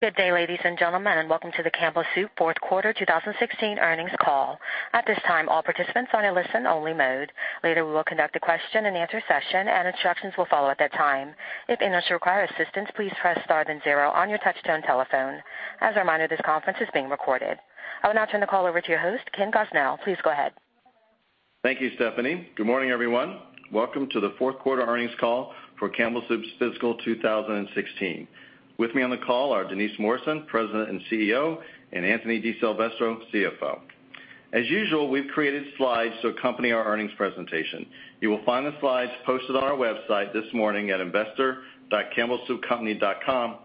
Good day, ladies and gentlemen, and welcome to the Campbell Soup fourth quarter 2016 earnings call. At this time, all participants are in a listen-only mode. Later, we will conduct a question and answer session, and instructions will follow at that time. If in motion you require assistance, please press star then zero on your touch-tone telephone. As a reminder, this conference is being recorded. I will now turn the call over to your host, Ken Gosnell. Please go ahead. Thank you, Stephanie. Good morning, everyone. Welcome to the fourth quarter earnings call for Campbell Soup's fiscal 2016. With me on the call are Denise Morrison, President and CEO, and Anthony DiSilvestro, CFO. As usual, we've created slides to accompany our earnings presentation. You will find the slides posted on our website this morning at investor.campbellsoupcompany.com.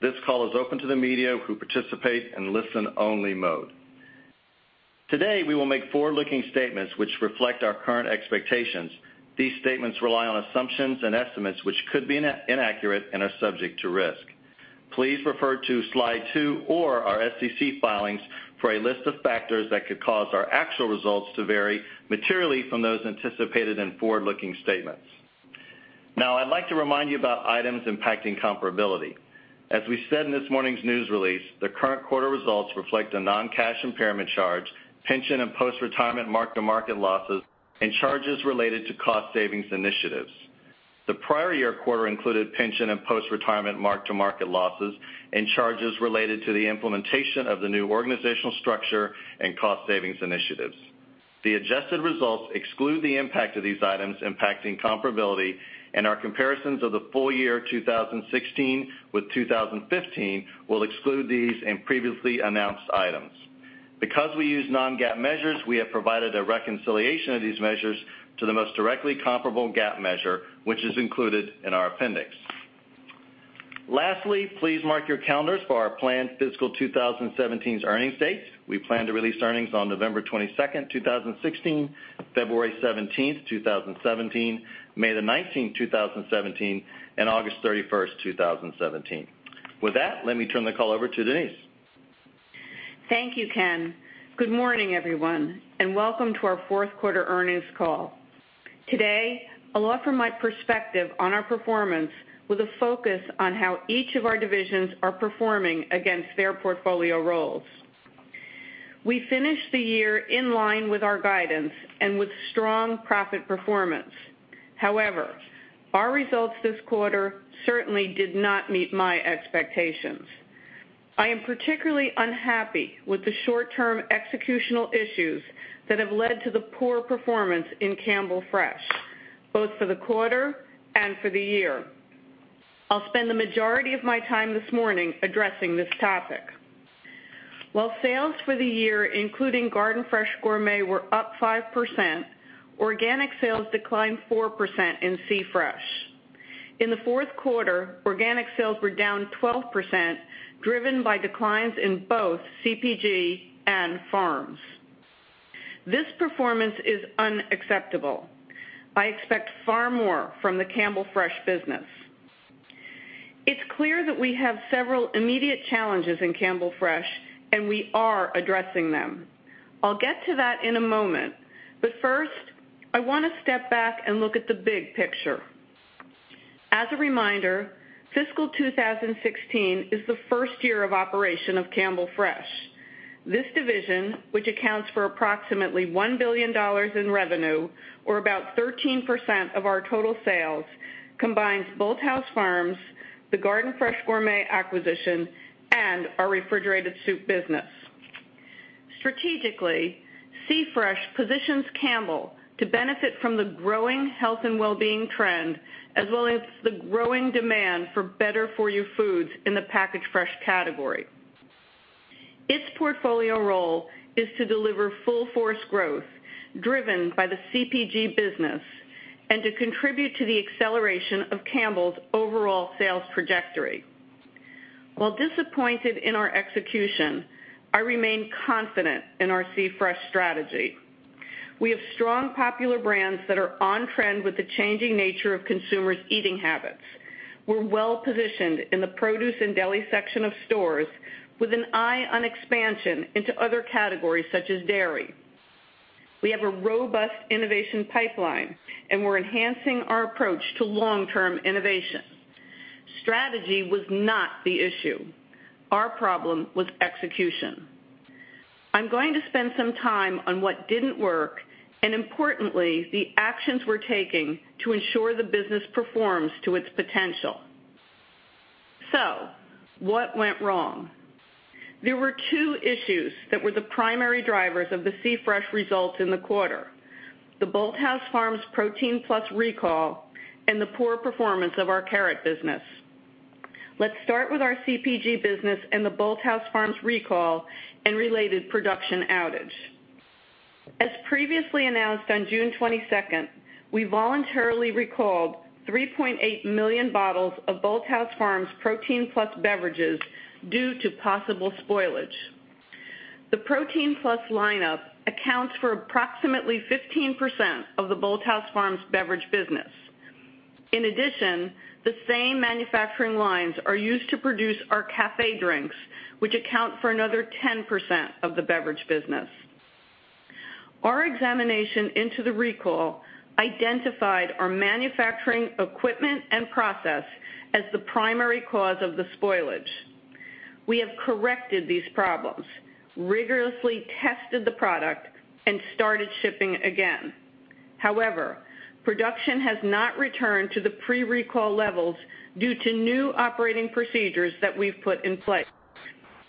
This call is open to the media who participate in listen-only mode. Today, we will make forward-looking statements which reflect our current expectations. These statements rely on assumptions and estimates which could be inaccurate and are subject to risk. Please refer to Slide 2 or our SEC filings for a list of factors that could cause our actual results to vary materially from those anticipated in forward-looking statements. I'd like to remind you about items impacting comparability. As we said in this morning's news release, the current quarter results reflect a non-cash impairment charge, pension and post-retirement mark-to-market losses, and charges related to cost savings initiatives. The prior year quarter included pension and post-retirement mark-to-market losses and charges related to the implementation of the new organizational structure and cost savings initiatives. The adjusted results exclude the impact of these items impacting comparability, and our comparisons of the full year 2016 with 2015 will exclude these and previously announced items. Because we use non-GAAP measures, we have provided a reconciliation of these measures to the most directly comparable GAAP measure, which is included in our appendix. Please mark your calendars for our planned fiscal 2017's earnings dates. We plan to release earnings on November 22nd, 2016, February 17th, 2017, May 19th, 2017, and August 31st, 2017. With that, let me turn the call over to Denise. Thank you, Ken. Good morning, everyone, and welcome to our fourth quarter earnings call. Today, I'll offer my perspective on our performance with a focus on how each of our divisions are performing against their portfolio roles. We finished the year in line with our guidance and with strong profit performance. Our results this quarter certainly did not meet my expectations. I am particularly unhappy with the short-term executional issues that have led to the poor performance in Campbell Fresh, both for the quarter and for the year. I'll spend the majority of my time this morning addressing this topic. Sales for the year, including Garden Fresh Gourmet, were up 5%, organic sales declined 4% in C-Fresh. In the fourth quarter, organic sales were down 12%, driven by declines in both CPG and farms. This performance is unacceptable. I expect far more from the Campbell Fresh business. It's clear that we have several immediate challenges in Campbell Fresh, and we are addressing them. I'll get to that in a moment, first, I want to step back and look at the big picture. As a reminder, fiscal 2016 is the first year of operation of Campbell Fresh. This division, which accounts for approximately $1 billion in revenue or about 13% of our total sales, combines Bolthouse Farms, the Garden Fresh Gourmet acquisition, and our refrigerated soup business. Strategically, C-Fresh positions Campbell to benefit from the growing health and wellbeing trend, as well as the growing demand for better-for-you foods in the packaged fresh category. Its portfolio role is to deliver full-force growth driven by the CPG business and to contribute to the acceleration of Campbell's overall sales trajectory. While disappointed in our execution, I remain confident in our C-Fresh strategy. We have strong popular brands that are on trend with the changing nature of consumers' eating habits. We're well-positioned in the produce and deli section of stores with an eye on expansion into other categories such as dairy. We have a robust innovation pipeline, we're enhancing our approach to long-term innovation. Strategy was not the issue. Our problem was execution. I'm going to spend some time on what didn't work, importantly, the actions we're taking to ensure the business performs to its potential. What went wrong? There were two issues that were the primary drivers of the C-Fresh results in the quarter, the Bolthouse Farms Protein PLUS recall and the poor performance of our carrot business. Let's start with our CPG business and the Bolthouse Farms recall and related production outage. As previously announced on June 22nd, we voluntarily recalled 3.8 million bottles of Bolthouse Farms Protein PLUS beverages due to possible spoilage. The Protein PLUS lineup accounts for approximately 15% of the Bolthouse Farms beverage business. In addition, the same manufacturing lines are used to produce our café drinks, which account for another 10% of the beverage business. Our examination into the recall identified our manufacturing equipment and process as the primary cause of the spoilage. We have corrected these problems, rigorously tested the product, started shipping again. However, production has not returned to the pre-recall levels due to new operating procedures that we've put in place,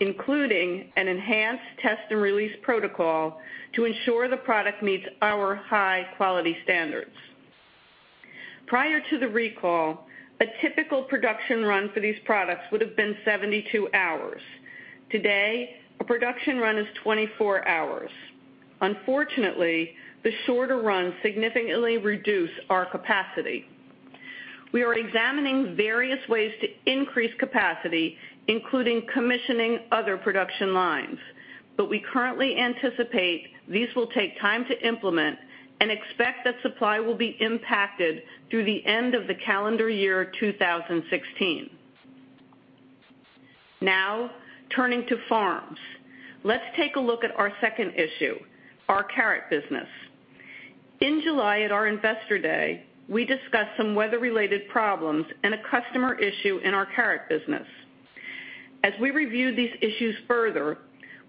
including an enhanced test and release protocol to ensure the product meets our high quality standards. Prior to the recall, a typical production run for these products would've been 72 hours. Today, a production run is 24 hours. Unfortunately, the shorter runs significantly reduce our capacity. We are examining various ways to increase capacity, including commissioning other production lines, we currently anticipate these will take time to implement and expect that supply will be impacted through the end of the calendar year 2016. Turning to farms. Let's take a look at our second issue, our carrot business. In July at our Investor Day, we discussed some weather-related problems and a customer issue in our carrot business. As we reviewed these issues further,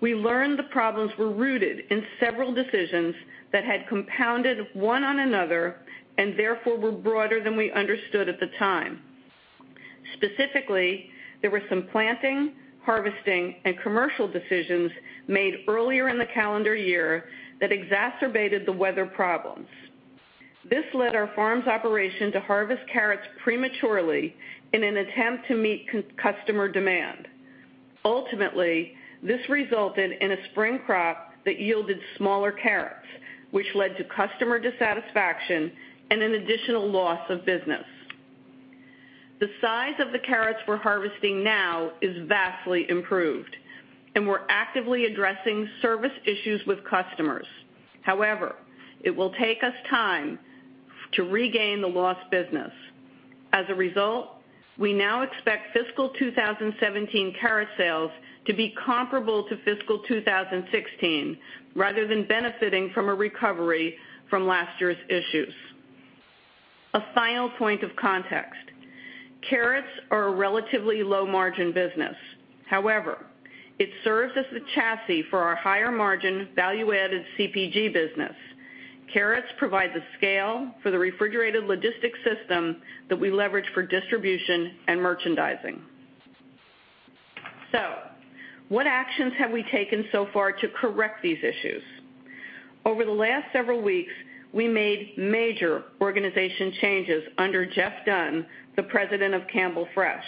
we learned the problems were rooted in several decisions that had compounded one on another and therefore were broader than we understood at the time. Specifically, there were some planting, harvesting, and commercial decisions made earlier in the calendar year that exacerbated the weather problems. This led our farms operation to harvest carrots prematurely in an attempt to meet customer demand. Ultimately, this resulted in a spring crop that yielded smaller carrots, which led to customer dissatisfaction and an additional loss of business. The size of the carrots we're harvesting now is vastly improved, and we're actively addressing service issues with customers. It will take us time to regain the lost business. As a result, we now expect fiscal 2017 carrot sales to be comparable to fiscal 2016 rather than benefiting from a recovery from last year's issues. A final point of context. Carrots are a relatively low-margin business. It serves as the chassis for our higher margin value-added CPG business. Carrots provide the scale for the refrigerated logistics system that we leverage for distribution and merchandising. What actions have we taken so far to correct these issues? Over the last several weeks, we made major organization changes under Jeff Dunn, the President of Campbell Fresh.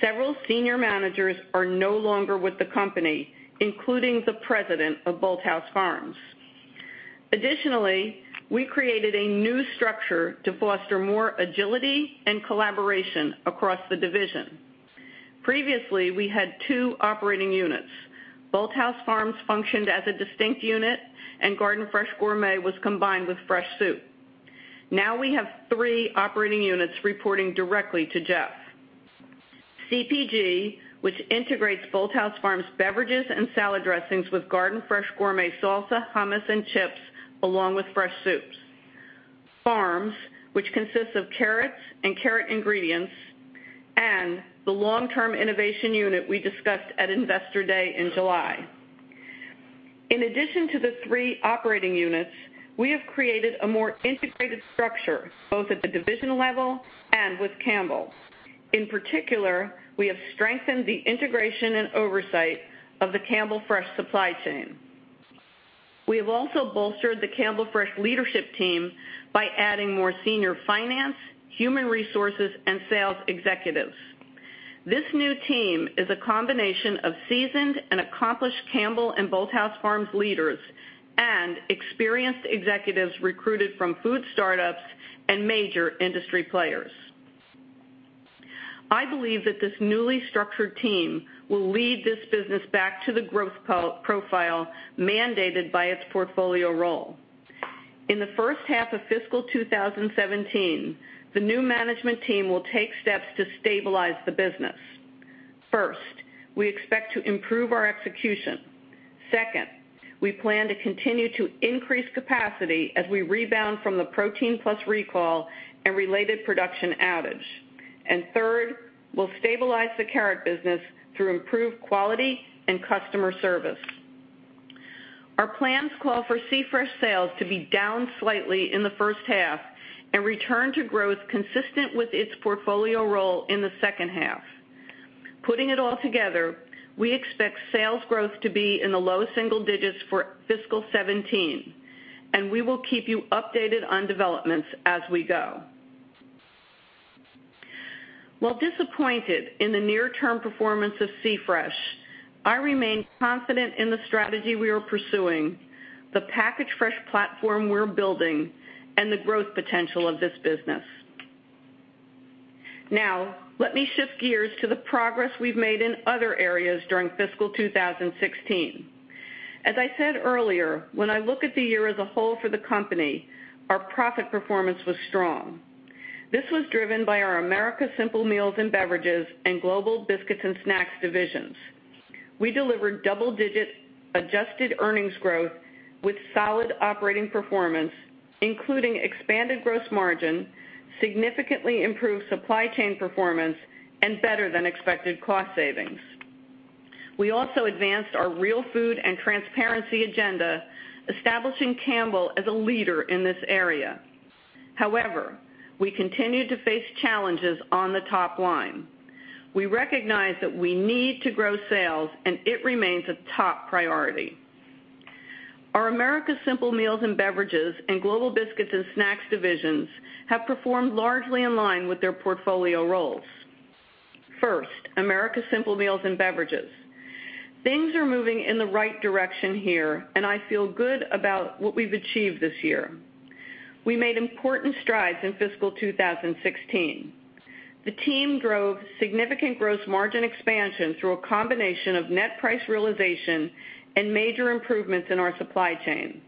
Several senior managers are no longer with the company, including the president of Bolthouse Farms. Additionally, we created a new structure to foster more agility and collaboration across the division. Previously, we had two operating units. Bolthouse Farms functioned as a distinct unit, and Garden Fresh Gourmet was combined with fresh soup. Now we have three operating units reporting directly to Jeff. CPG, which integrates Bolthouse Farms beverages and salad dressings with Garden Fresh Gourmet salsa, hummus, and chips, along with fresh soups. Farms, which consists of carrots and carrot ingredients, and the long-term innovation unit we discussed at Investor Day in July. In addition to the three operating units, we have created a more integrated structure both at the division level and with Campbell. In particular, we have strengthened the integration and oversight of the Campbell Fresh supply chain. We have also bolstered the Campbell Fresh leadership team by adding more senior finance, human resources, and sales executives. This new team is a combination of seasoned and accomplished Campbell and Bolthouse Farms leaders and experienced executives recruited from food startups and major industry players. I believe that this newly structured team will lead this business back to the growth profile mandated by its portfolio role. In the first half of fiscal 2017, the new management team will take steps to stabilize the business. First, we expect to improve our execution. Second, we plan to continue to increase capacity as we rebound from the Protein PLUS recall and related production outage. Third, we'll stabilize the carrot business through improved quality and customer service. Our plans call for C-Fresh sales to be down slightly in the first half and return to growth consistent with its portfolio role in the second half. Putting it all together, we expect sales growth to be in the low single digits for fiscal 2017. We will keep you updated on developments as we go. While disappointed in the near-term performance of C-Fresh, I remain confident in the strategy we are pursuing, the packaged fresh platform we're building, and the growth potential of this business. Let me shift gears to the progress we've made in other areas during fiscal 2016. As I said earlier, when I look at the year as a whole for the company, our profit performance was strong. This was driven by our Americas Simple Meals and Beverages and Global Biscuits and Snacks divisions. We delivered double-digit adjusted earnings growth with solid operating performance, including expanded gross margin, significantly improved supply chain performance, and better than expected cost savings. We also advanced our Real Food and transparency agenda, establishing Campbell as a leader in this area. However, we continue to face challenges on the top line. We recognize that we need to grow sales, and it remains a top priority. Our Americas Simple Meals and Beverages and Global Biscuits and Snacks divisions have performed largely in line with their portfolio roles. First, Americas Simple Meals and Beverages. Things are moving in the right direction here, and I feel good about what we've achieved this year. We made important strides in fiscal 2016. The team drove significant gross margin expansion through a combination of net price realization and major improvements in our supply chain.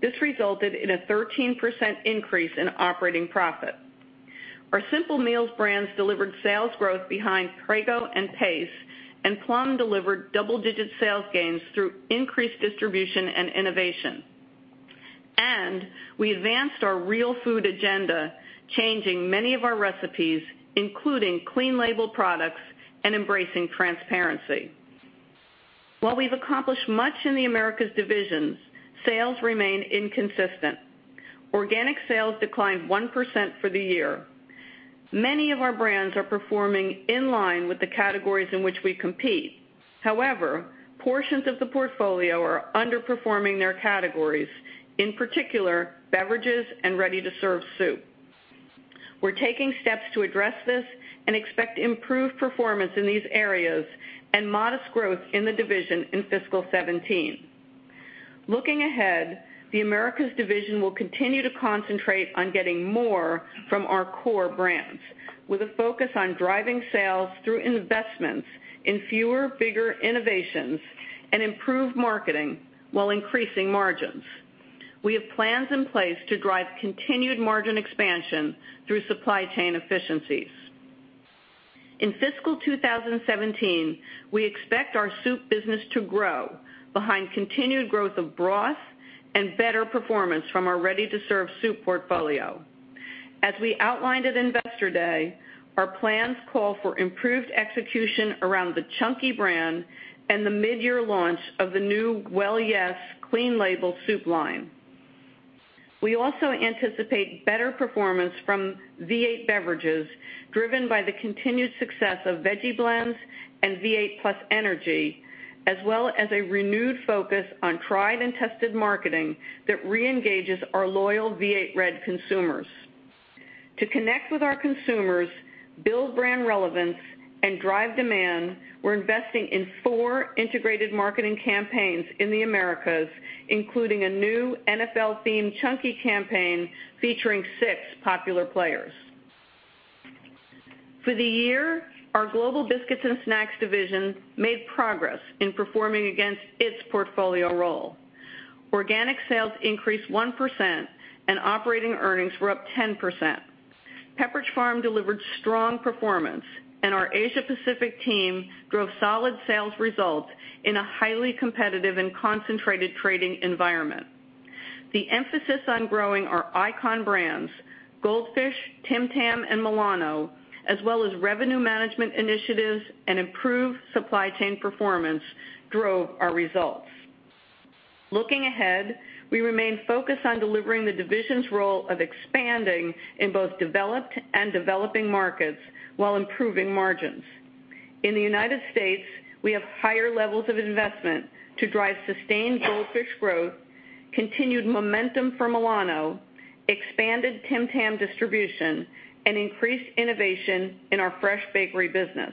This resulted in a 13% increase in operating profit. Our Simple Meals brands delivered sales growth behind Prego and Pace, and Plum delivered double-digit sales gains through increased distribution and innovation. We advanced our Real Food agenda, changing many of our recipes, including clean label products and embracing transparency. While we've accomplished much in the Americas divisions, sales remain inconsistent. Organic sales declined 1% for the year. Many of our brands are performing in line with the categories in which we compete. However, portions of the portfolio are underperforming their categories, in particular, beverages and ready-to-serve soup. We're taking steps to address this and expect improved performance in these areas and modest growth in the division in fiscal 2017. Looking ahead, the Americas division will continue to concentrate on getting more from our core brands, with a focus on driving sales through investments in fewer, bigger innovations and improved marketing while increasing margins. We have plans in place to drive continued margin expansion through supply chain efficiencies. In fiscal 2017, we expect our soup business to grow behind continued growth of broth and better performance from our ready-to-serve soup portfolio. As we outlined at Investor Day, our plans call for improved execution around the Chunky brand and the mid-year launch of the new Well Yes! clean label soup line. We also anticipate better performance from V8 beverages, driven by the continued success of Veggie Blends and V8 +Energy, as well as a renewed focus on tried and tested marketing that reengages our loyal V8 Red consumers. To connect with our consumers, build brand relevance, and drive demand, we're investing in four integrated marketing campaigns in the Americas, including a new NFL-themed Chunky campaign featuring six popular players. For the year, our Global Biscuits and Snacks division made progress in performing against its portfolio role. Organic sales increased 1%, and operating earnings were up 10%. Pepperidge Farm delivered strong performance, and our Asia Pacific team drove solid sales results in a highly competitive and concentrated trading environment. The emphasis on growing our icon brands, Goldfish, Tim Tam, and Milano, as well as revenue management initiatives and improved supply chain performance, drove our results. Looking ahead, we remain focused on delivering the division's role of expanding in both developed and developing markets while improving margins. In the United States, we have higher levels of investment to drive sustained Goldfish growth, continued momentum for Milano, expanded Tim Tam distribution, and increased innovation in our fresh bakery business.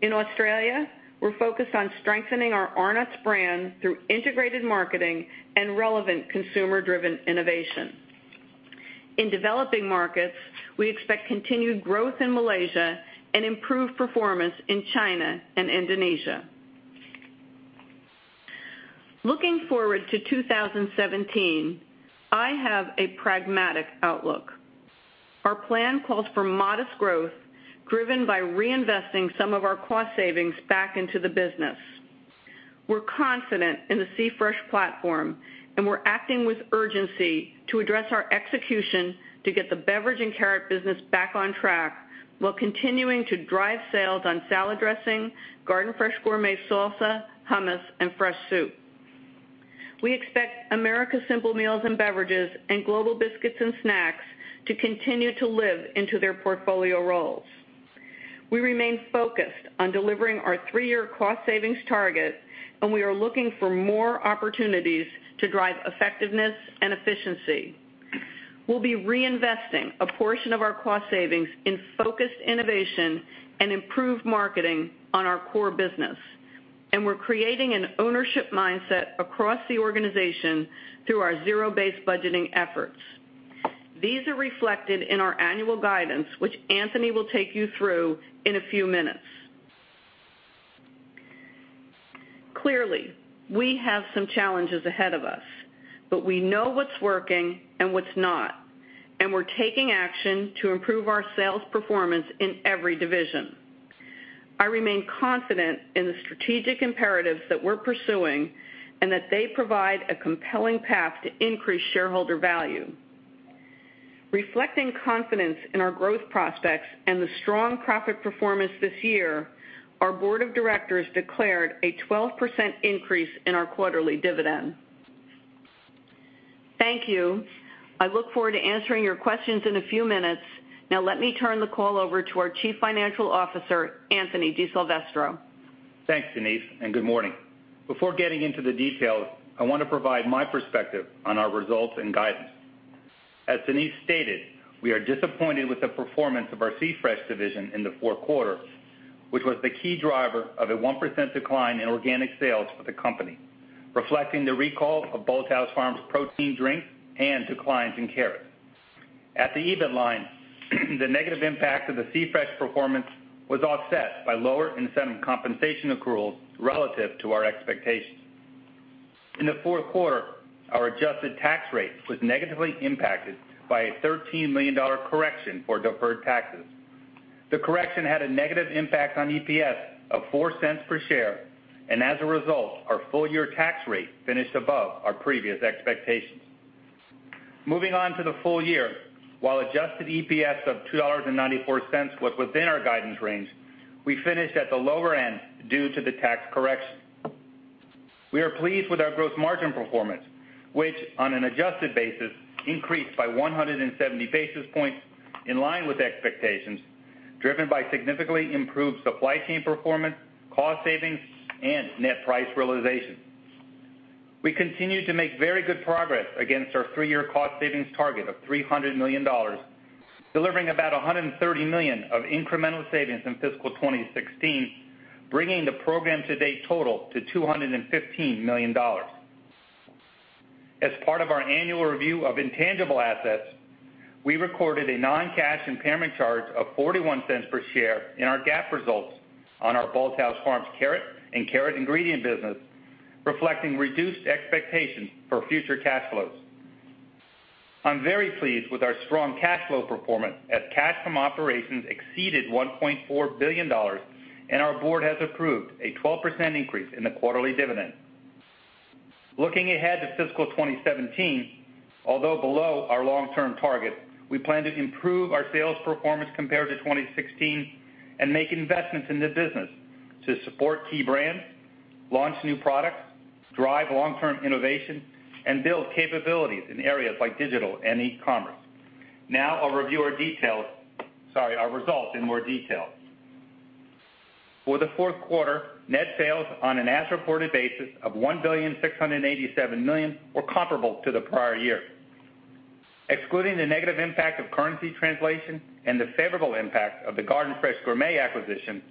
In Australia, we're focused on strengthening our Arnott's brand through integrated marketing and relevant consumer-driven innovation. In developing markets, we expect continued growth in Malaysia and improved performance in China and Indonesia. Looking forward to 2017, I have a pragmatic outlook. Our plan calls for modest growth driven by reinvesting some of our cost savings back into the business. We're confident in the C-Fresh platform. We're acting with urgency to address our execution to get the beverage and carrot business back on track while continuing to drive sales on salad dressing, Garden Fresh Gourmet salsa, hummus, and fresh soup. We expect Americas Simple Meals and Beverages and Global Biscuits and Snacks to continue to live into their portfolio roles. We remain focused on delivering our three-year cost savings target. We are looking for more opportunities to drive effectiveness and efficiency. We'll be reinvesting a portion of our cost savings in focused innovation and improved marketing on our core business. We're creating an ownership mindset across the organization through our zero-based budgeting efforts. These are reflected in our annual guidance, which Anthony will take you through in a few minutes. Clearly, we have some challenges ahead of us. We know what's working and what's not. We're taking action to improve our sales performance in every division. I remain confident in the strategic imperatives that we're pursuing, and they provide a compelling path to increase shareholder value. Reflecting confidence in our growth prospects and the strong profit performance this year, our board of directors declared a 12% increase in our quarterly dividend. Thank you. I look forward to answering your questions in a few minutes. Now, let me turn the call over to our Chief Financial Officer, Anthony DiSilvestro. Thanks, Denise. Good morning. Before getting into the details, I want to provide my perspective on our results and guidance. As Denise stated, we are disappointed with the performance of our C-Fresh division in the fourth quarter, which was the key driver of a 1% decline in organic sales for the company, reflecting the recall of Bolthouse Farms Protein PLUS and declines in carrot. At the EBIT line, the negative impact of the C-Fresh performance was offset by lower incentive compensation accruals relative to our expectations. In the fourth quarter, our adjusted tax rate was negatively impacted by a $13 million correction for deferred taxes. The correction had a negative impact on EPS of $0.04 per share. As a result, our full-year tax rate finished above our previous expectations. Moving on to the full year, while adjusted EPS of $2.94 was within our guidance range, we finished at the lower end due to the tax correction. We are pleased with our gross margin performance, which on an adjusted basis, increased by 170 basis points, in line with expectations, driven by significantly improved supply chain performance, cost savings, and net price realization. We continue to make very good progress against our three-year cost savings target of $300 million, delivering about $130 million of incremental savings in fiscal 2016, bringing the program to date total to $215 million. As part of our annual review of intangible assets, we recorded a non-cash impairment charge of $0.41 per share in our GAAP results on our Bolthouse Farms carrot and carrot ingredient business, reflecting reduced expectations for future cash flows. I'm very pleased with our strong cash flow performance as cash from operations exceeded $1.4 billion, and our board has approved a 12% increase in the quarterly dividend. Looking ahead to fiscal 2017, although below our long-term target, we plan to improve our sales performance compared to 2016 and make investments in the business to support key brands, launch new products, drive long-term innovation, and build capabilities in areas like digital and e-commerce. Now I'll review our results in more detail. For the fourth quarter, net sales on an as reported basis of $1.687 billion were comparable to the prior year. Excluding the negative impact of currency translation and the favorable impact of the Garden Fresh Gourmet acquisition,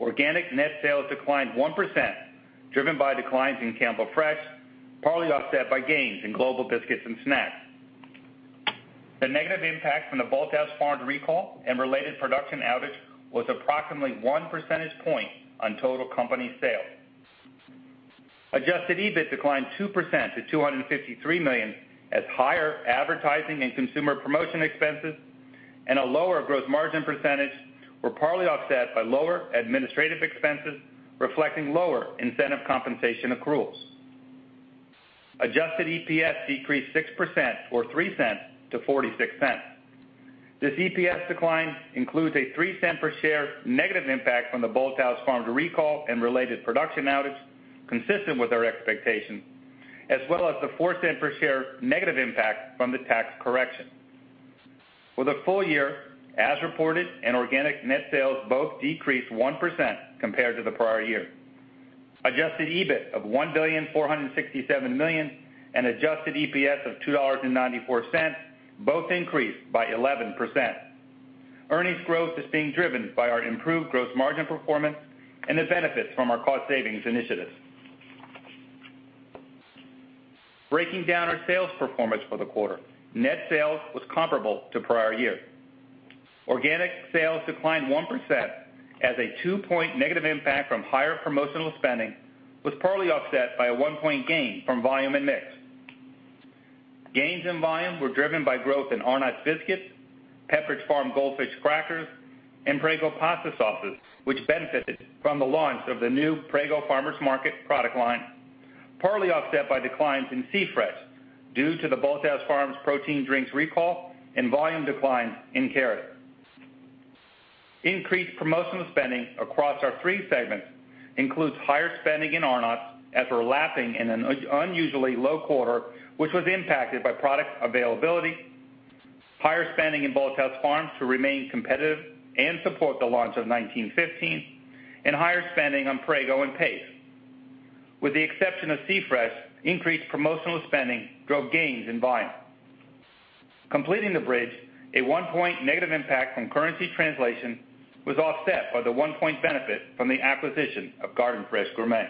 organic net sales declined 1%, driven by declines in Campbell Fresh, partly offset by gains in Global Biscuits and Snacks. The negative impact from the Bolthouse Farms recall and related production outage was approximately one percentage point on total company sales. Adjusted EBIT declined 2% to $253 million as lower advertising and consumer promotion expenses and a lower gross margin percentage were partly offset by lower administrative expenses reflecting lower incentive compensation accruals. Adjusted EPS decreased 6% or $0.03 to $0.46. This EPS decline includes a $0.03 per share negative impact from the Bolthouse Farms recall and related production outage consistent with our expectations, as well as the $0.04 per share negative impact from the tax correction. For the full year, as reported and organic net sales both decreased 1% compared to the prior year. Adjusted EBIT of $1.467 billion and adjusted EPS of $2.94 both increased by 11%. Earnings growth is being driven by our improved gross margin performance and the benefits from our cost savings initiatives. Breaking down our sales performance for the quarter, net sales was comparable to prior year. Organic sales declined 1% as a two-point negative impact from higher promotional spending was partly offset by a one-point gain from volume and mix. Gains in volume were driven by growth in Arnott's biscuits, Pepperidge Farm Goldfish crackers, and Prego pasta sauces, which benefited from the launch of the new Prego Farmers' Market product line, partly offset by declines in C-Fresh due to the Bolthouse Farms Protein PLUS drinks recall and volume declines in carrot. Increased promotional spending across our three segments includes higher spending in Arnott's as we're lapping in an unusually low quarter, which was impacted by product availability, higher spending in Bolthouse Farms to remain competitive and support the launch of 1915, and higher spending on Prego and Pace. With the exception of C-Fresh, increased promotional spending drove gains in volume. Completing the bridge, a one-point negative impact from currency translation was offset by the one-point benefit from the acquisition of Garden Fresh Gourmet.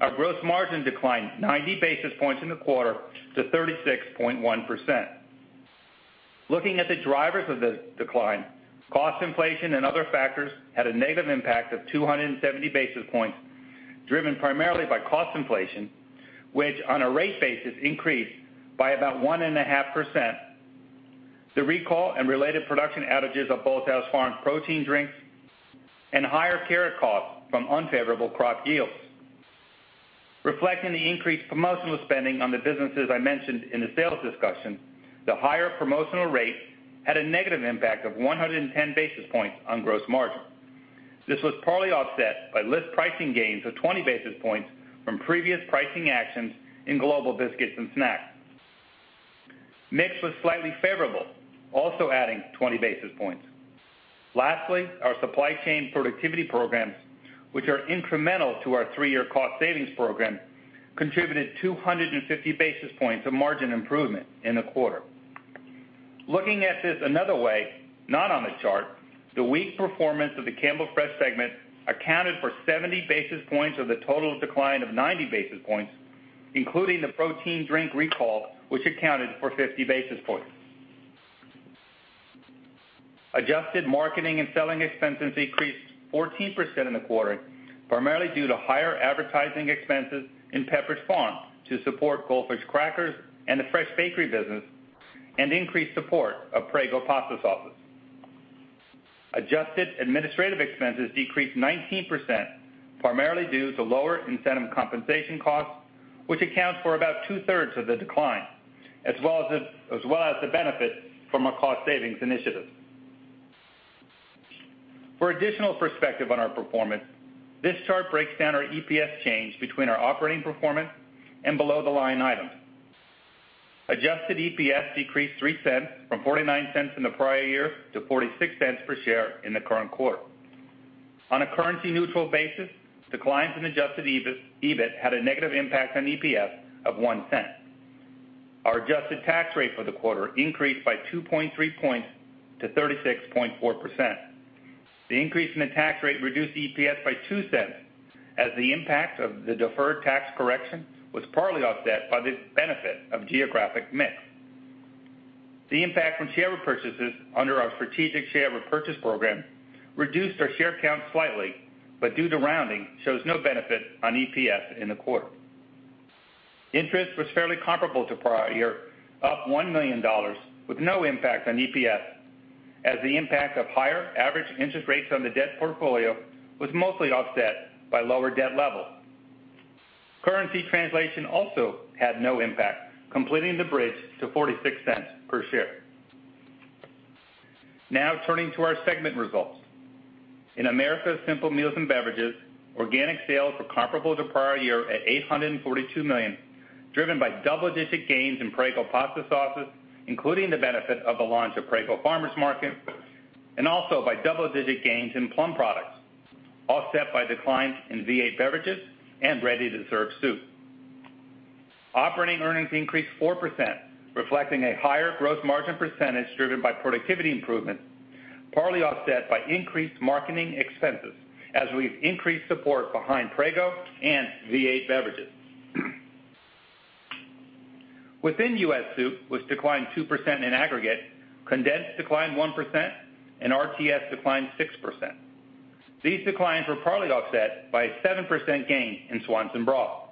Our gross margin declined 90 basis points in the quarter to 36.1%. Looking at the drivers of the decline, cost inflation and other factors had a negative impact of 270 basis points, driven primarily by cost inflation, which on a rate basis increased by about 1.5%. The recall and related production outages of Bolthouse Farms protein drinks and higher carrot costs from unfavorable crop yields. Reflecting the increased promotional spending on the businesses I mentioned in the sales discussion, the higher promotional rate had a negative impact of 110 basis points on gross margin. This was partly offset by list pricing gains of 20 basis points from previous pricing actions in Global Biscuits and Snacks. Mix was slightly favorable, also adding 20 basis points. Lastly, our supply chain productivity programs, which are incremental to our three-year cost savings program, contributed 250 basis points of margin improvement in the quarter. Looking at this another way, not on the chart, the weak performance of the Campbell Fresh segment accounted for 70 basis points of the total decline of 90 basis points, including the protein drink recall, which accounted for 50 basis points. Adjusted marketing and selling expenses decreased 14% in the quarter, primarily due to lower advertising expenses in Pepperidge Farm to support Goldfish crackers and the fresh bakery business, and increased support of Prego pasta sauces. Adjusted administrative expenses decreased 19%, primarily due to lower incentive compensation costs, which accounts for about two-thirds of the decline, as well as the benefit from our cost savings initiatives. For additional perspective on our performance, this chart breaks down our EPS change between our operating performance and below-the-line items. Adjusted EPS decreased $0.03 from $0.49 in the prior year to $0.46 per share in the current quarter. On a currency-neutral basis, declines in adjusted EBIT had a negative impact on EPS of $0.01. Our adjusted tax rate for the quarter increased by 2.3 points to 36.4%. The increase in the tax rate reduced EPS by $0.02 as the impact of the deferred tax correction was partly offset by the benefit of geographic mix. The impact from share repurchases under our strategic share repurchase program reduced our share count slightly, but due to rounding, shows no benefit on EPS in the quarter. Interest was fairly comparable to prior year, up $1 million with no impact on EPS, as the impact of higher average interest rates on the debt portfolio was mostly offset by lower debt levels. Currency translation also had no impact, completing the bridge to $0.46 per share. Turning to our segment results. In Americas Simple Meals and Beverages, organic sales were comparable to prior year at $842 million, driven by double-digit gains in Prego pasta sauces, including the benefit of the launch of Prego Farmers' Market, and also by double-digit gains in Plum products, offset by declines in V8 beverages and ready-to-serve soup. Operating earnings increased 4%, reflecting a higher growth margin percentage driven by productivity improvements, partly offset by increased marketing expenses as we've increased support behind Prego and V8 beverages. Within U.S. soup, which declined 2% in aggregate, condensed declined 1% and RTS declined 6%. These declines were partly offset by a 7% gain in Swanson broth.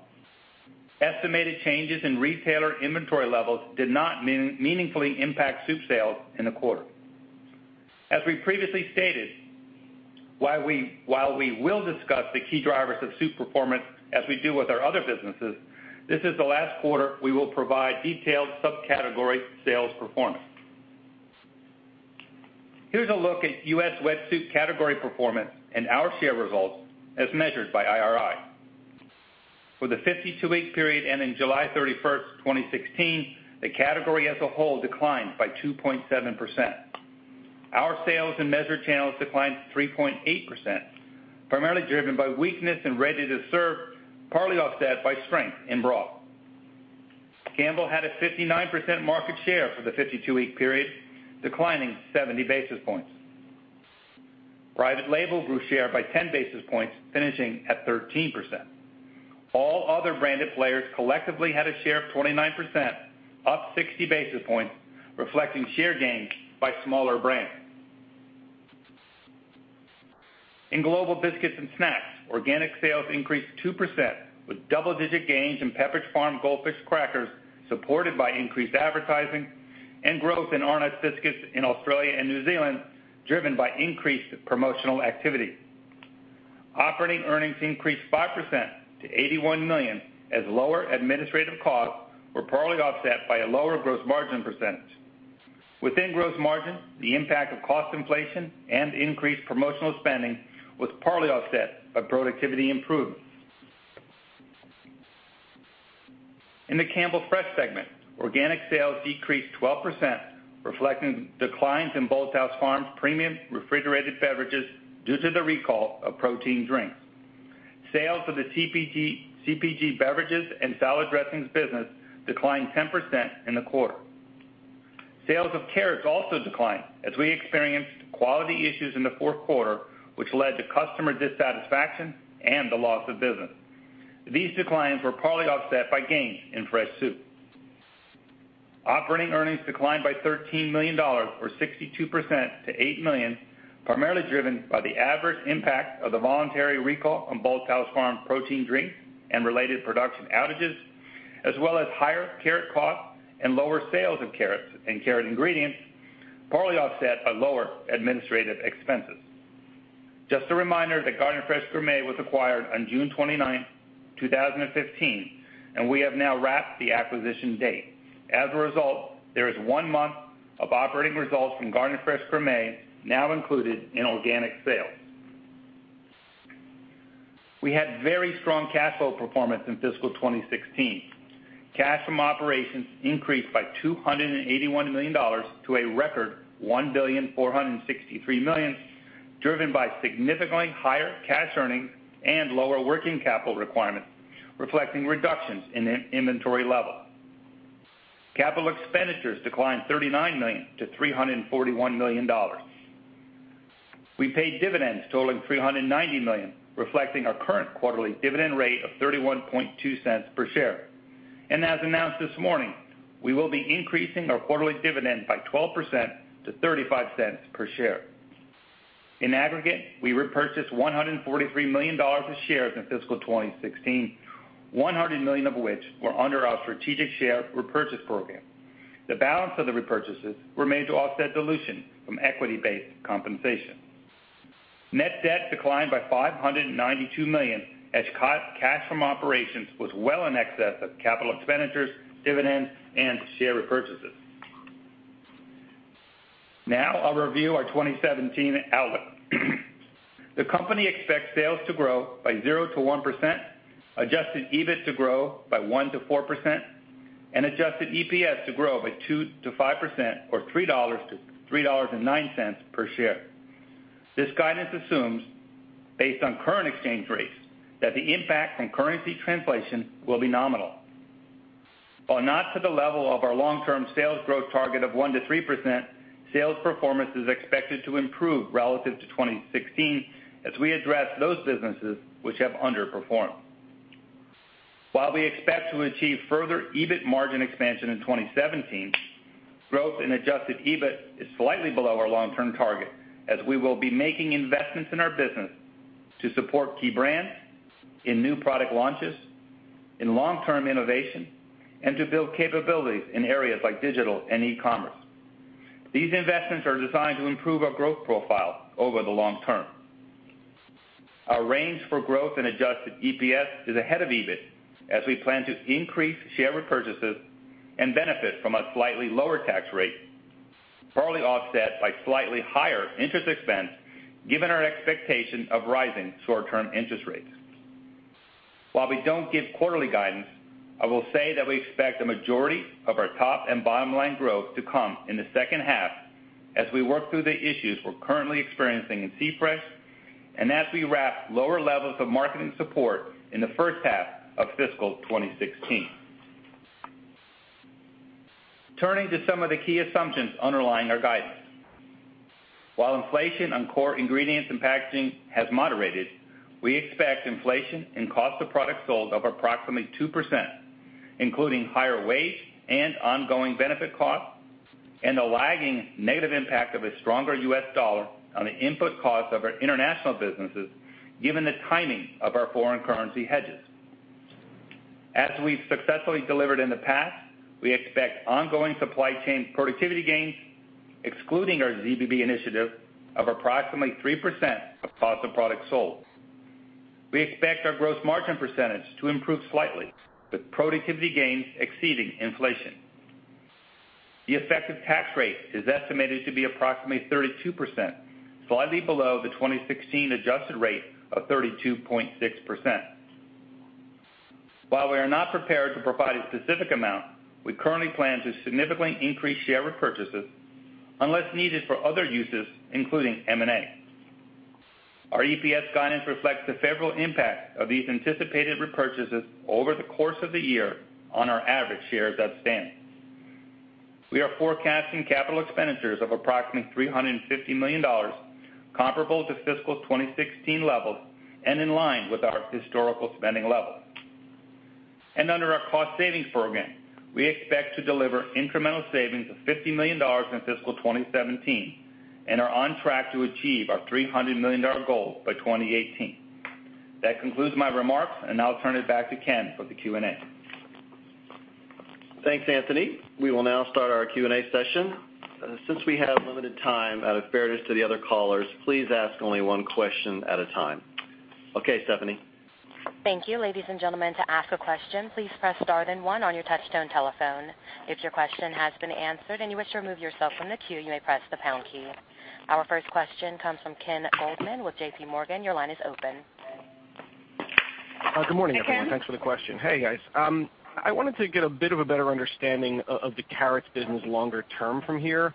Estimated changes in retailer inventory levels did not meaningfully impact soup sales in the quarter. As we previously stated, while we will discuss the key drivers of soup performance as we do with our other businesses, this is the last quarter we will provide detailed sub-category sales performance. Here's a look at U.S. wet soup category performance and our share results as measured by IRI. For the 52-week period ending July 31st, 2016, the category as a whole declined by 2.7%. Our sales in measured channels declined 3.8%, primarily driven by weakness in RTS, partly offset by strength in broth. Campbell had a 59% market share for the 52-week period, declining 70 basis points. Private label grew share by 10 basis points, finishing at 13%. All other branded players collectively had a share of 29%, up 60 basis points, reflecting share gains by smaller brands. In Global Biscuits and Snacks, organic sales increased 2% with double-digit gains in Pepperidge Farm Goldfish crackers, supported by increased advertising and growth in Arnott's biscuits in Australia and New Zealand, driven by increased promotional activity. Operating earnings increased 5% to $81 million as lower administrative costs were partly offset by a lower gross margin percentage. Within gross margin, the impact of cost inflation and increased promotional spending was partly offset by productivity improvements. In the Campbell Fresh segment, organic sales decreased 12%, reflecting declines in Bolthouse Farms premium refrigerated beverages due to the recall of protein drinks. Sales of the CPG beverages and salad dressings business declined 10% in the quarter. Sales of carrots also declined as we experienced quality issues in the fourth quarter, which led to customer dissatisfaction and the loss of business. These declines were partly offset by gains in fresh soup. Operating earnings declined by $13 million, or 62%, to $8 million, primarily driven by the adverse impact of the voluntary recall on Bolthouse Farms Protein Drink and related production outages, as well as higher carrot costs and lower sales of carrots and carrot ingredients, partly offset by lower administrative expenses. Just a reminder that Garden Fresh Gourmet was acquired on June 29th, 2015, and we have now wrapped the acquisition date. As a result, there is one month of operating results from Garden Fresh Gourmet now included in organic sales. We had very strong cash flow performance in fiscal 2016. Cash from operations increased by $281 million to a record $1,463 million, driven by significantly higher cash earnings and lower working capital requirements, reflecting reductions in inventory level. Capital expenditures declined $39 million to $341 million. We paid dividends totaling $390 million, reflecting our current quarterly dividend rate of $0.312 per share. As announced this morning, we will be increasing our quarterly dividend by 12% to $0.35 per share. In aggregate, we repurchased $143 million of shares in fiscal 2016, $100 million of which were under our strategic share repurchase program. The balance of the repurchases were made to offset dilution from equity-based compensation. Net debt declined by $592 million, as cash from operations was well in excess of capital expenditures, dividends, and share repurchases. I'll review our 2017 outlook. The company expects sales to grow by 0% to 1%, adjusted EBIT to grow by 1% to 4%, and adjusted EPS to grow by 2% to 5%, or $3 to $3.09 per share. This guidance assumes, based on current exchange rates, that the impact from currency translation will be nominal. While not to the level of our long-term sales growth target of 1% to 3%, sales performance is expected to improve relative to 2016 as we address those businesses which have underperformed. While we expect to achieve further EBIT margin expansion in 2017, growth in adjusted EBIT is slightly below our long-term target, as we will be making investments in our business to support key brands in new product launches, in long-term innovation, and to build capabilities in areas like digital and e-commerce. These investments are designed to improve our growth profile over the long term. Our range for growth in adjusted EPS is ahead of EBIT, as we plan to increase share repurchases and benefit from a slightly lower tax rate, partly offset by slightly higher interest expense given our expectation of rising short-term interest rates. While we don't give quarterly guidance, I will say that we expect a majority of our top and bottom-line growth to come in the second half as we work through the issues we're currently experiencing in C-Fresh and as we wrap lower levels of marketing support in the first half of fiscal 2016. Turning to some of the key assumptions underlying our guidance. While inflation on core ingredients and packaging has moderated, we expect inflation in cost of products sold of approximately 2%, including higher wage and ongoing benefit costs, and a lagging negative impact of a stronger U.S. dollar on the input costs of our international businesses, given the timing of our foreign currency hedges. As we've successfully delivered in the past, we expect ongoing supply chain productivity gains, excluding our ZBB initiative, of approximately 3% of cost of products sold. We expect our gross margin percentage to improve slightly, with productivity gains exceeding inflation. The effective tax rate is estimated to be approximately 32%, slightly below the 2016 adjusted rate of 32.6%. While we are not prepared to provide a specific amount, we currently plan to significantly increase share repurchases unless needed for other uses, including M&A. Our EPS guidance reflects the favorable impact of these anticipated repurchases over the course of the year on our average shares outstanding. We are forecasting capital expenditures of approximately $350 million, comparable to fiscal 2016 levels and in line with our historical spending levels. Under our cost savings program, we expect to deliver incremental savings of $50 million in fiscal 2017 and are on track to achieve our $300 million goal by 2018. That concludes my remarks, and I'll turn it back to Ken for the Q&A. Thanks, Anthony. We will now start our Q&A session. Since we have limited time, out of fairness to the other callers, please ask only one question at a time. Okay, Stephanie. Thank you. Ladies and gentlemen, to ask a question, please press star then one on your touch-tone telephone. If your question has been answered and you wish to remove yourself from the queue, you may press the pound key. Our first question comes from Ken Goldman with J.P. Morgan. Your line is open. Good morning, everyone. Hey, Ken. Thanks for the question. Hey, guys. I wanted to get a bit of a better understanding of the carrots business longer term from here.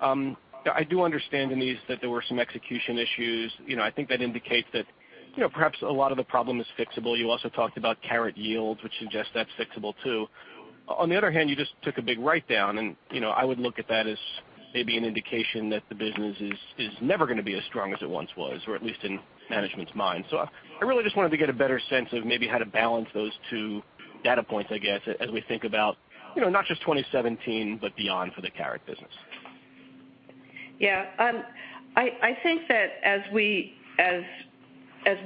I do understand that there were some execution issues. I think that indicates that perhaps a lot of the problem is fixable. You also talked about carrot yields, which suggests that's fixable, too. On the other hand, you just took a big write-down, and I would look at that as maybe an indication that the business is never going to be as strong as it once was, or at least in management's mind. I really just wanted to get a better sense of maybe how to balance those two data points, I guess, as we think about not just 2017, but beyond for the carrot business. Yeah. I think that as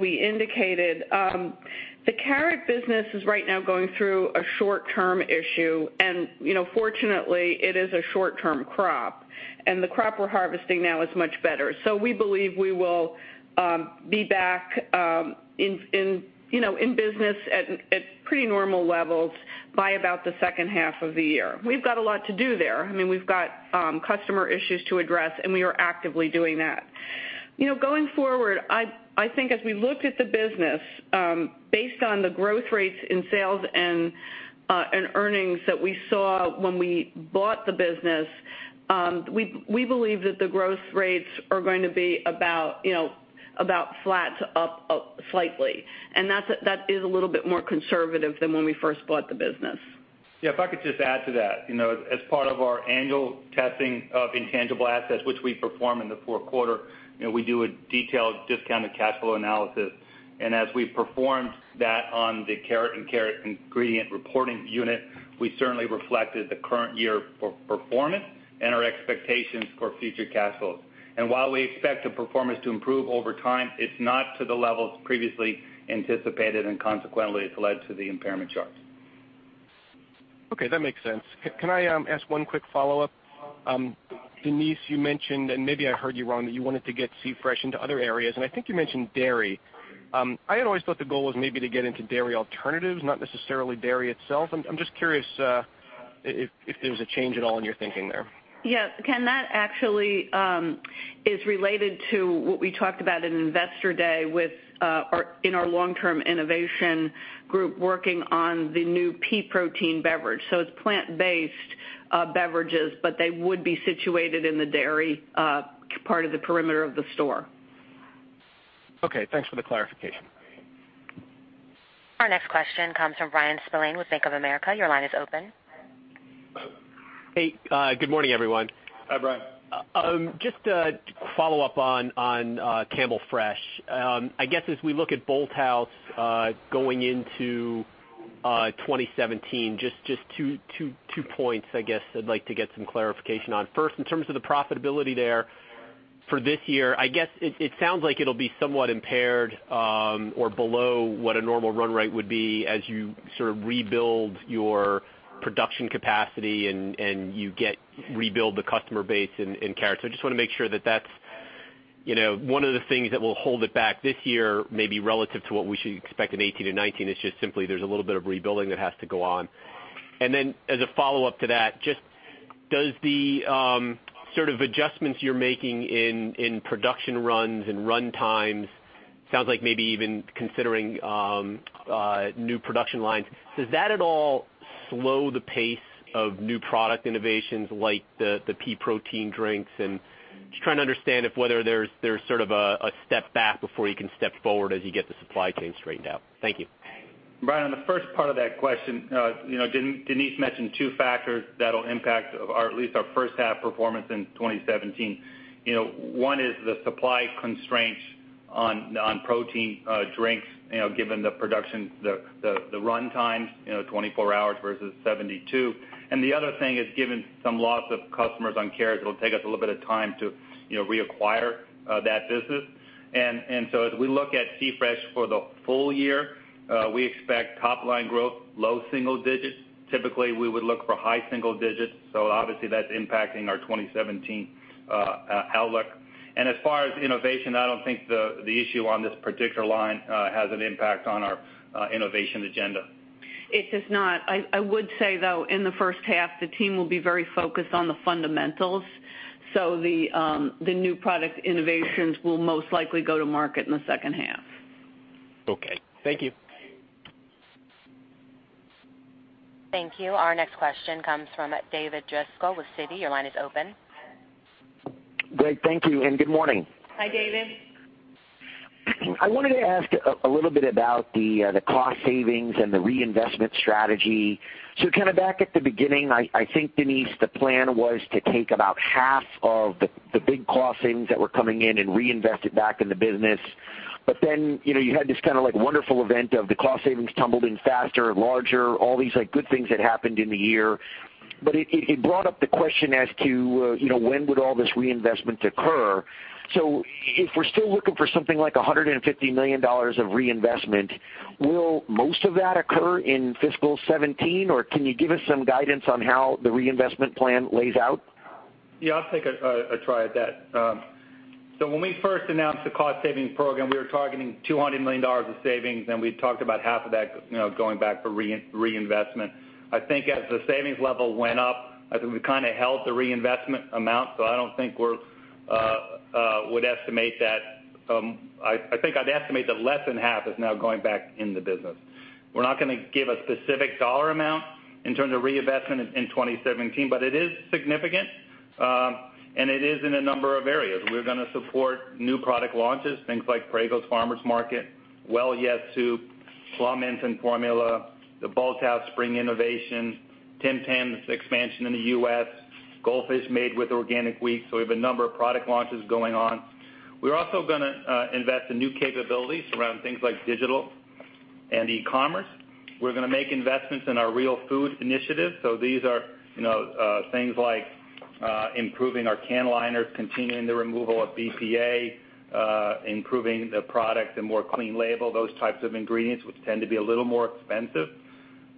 we indicated, the carrot business is right now going through a short-term issue, and fortunately it is a short-term crop, and the crop we're harvesting now is much better. We believe we will be back in business at pretty normal levels by about the second half of the year. We've got a lot to do there. We've got customer issues to address, and we are actively doing that. Going forward, I think as we looked at the business based on the growth rates in sales and earnings that we saw when we bought the business, we believe that the growth rates are going to be about flat to up slightly. That is a little bit more conservative than when we first bought the business. Yeah, if I could just add to that. As part of our annual testing of intangible assets, which we perform in the fourth quarter, we do a detailed discounted cash flow analysis. As we performed that on the carrot and carrot ingredient reporting unit, we certainly reflected the current year performance and our expectations for future cash flows. While we expect the performance to improve over time, it's not to the levels previously anticipated, and consequently, it's led to the impairment charge. Okay, that makes sense. Can I ask one quick follow-up? Denise, you mentioned, and maybe I heard you wrong, that you wanted to get C-Fresh into other areas, and I think you mentioned dairy. I had always thought the goal was maybe to get into dairy alternatives, not necessarily dairy itself. I'm just curious if there was a change at all in your thinking there. Yeah. Ken, that actually is related to what we talked about at Investor Day in our long-term innovation group working on the new pea protein beverage. It's plant-based beverages, but they would be situated in the dairy part of the perimeter of the store. Okay, thanks for the clarification. Our next question comes from Bryan Spillane with Bank of America. Your line is open. Hey, good morning, everyone. Hi, Bryan. Just to follow up on Campbell Fresh. I guess as we look at Bolthouse going into 2017, just two points, I guess I'd like to get some clarification on. First, in terms of the profitability there for this year, I guess it sounds like it'll be somewhat impaired or below what a normal run rate would be as you sort of rebuild your production capacity and you rebuild the customer base in carrots. I just want to make sure that that's one of the things that will hold it back this year, maybe relative to what we should expect in 2018 and 2019. It's just simply there's a little bit of rebuilding that has to go on. As a follow-up to that, just does the sort of adjustments you're making in production runs and run times, sounds like maybe even considering new production lines, does that at all slow the pace of new product innovations like the pea protein drinks? Just trying to understand if whether there's sort of a step back before you can step forward as you get the supply chain straightened out. Thank you. Bryan, on the first part of that question, Denise mentioned two factors that'll impact at least our first half performance in 2017. One is the supply constraints on protein drinks, given the production, the run times, 24 hours versus 72. The other thing is, given some loss of customers on carrots, it'll take us a little bit of time to reacquire that business. As we look at C-Fresh for the full year, we expect top-line growth, low single digits. Typically, we would look for high single digits. Obviously that's impacting our 2017 outlook. As far as innovation, I don't think the issue on this particular line has an impact on our innovation agenda. It does not. I would say, though, in the first half, the team will be very focused on the fundamentals. The new product innovations will most likely go to market in the second half. Okay. Thank you. Thank you. Our next question comes from David Driscoll with Citi. Your line is open. Great. Thank you, and good morning. Hi, David. I wanted to ask a little bit about the cost savings and the reinvestment strategy. Kind of back at the beginning, I think, Denise, the plan was to take about half of the big cost savings that were coming in and reinvest it back in the business. You had this kind of wonderful event of the cost savings tumbled in faster and larger, all these good things that happened in the year. It brought up the question as to when would all this reinvestment occur. If we're still looking for something like $150 million of reinvestment, will most of that occur in fiscal 2017, or can you give us some guidance on how the reinvestment plan lays out? Yeah, I'll take a try at that. When we first announced the cost savings program, we were targeting $200 million of savings, and we talked about half of that going back for reinvestment. I think as the savings level went up, we kind of held the reinvestment amount. I think I'd estimate that less than half is now going back in the business. We're not going to give a specific dollar amount in terms of reinvestment in 2017, but it is significant. It is in a number of areas. We're going to support new product launches, things like Prego Farmers' Market, Well Yes! Soup, Plum infant formula, the Bolthouse spring innovation, Tim Tam's expansion in the U.S., Goldfish made with organic wheat. We have a number of product launches going on. We're also going to invest in new capabilities around things like digital and e-commerce. We're going to make investments in our Real Food initiative. These are things like improving our can liners, continuing the removal of BPA, improving the product to more clean label, those types of ingredients, which tend to be a little more expensive.